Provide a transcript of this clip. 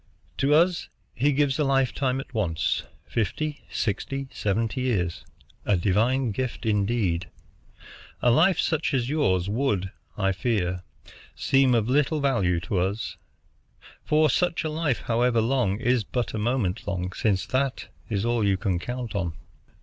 To us He gives a lifetime at once, fifty, sixty, seventy years, a divine gift indeed. A life such as yours would, I fear, seem of little value to us; for such a life, however long, is but a moment long, since that is all you can count on."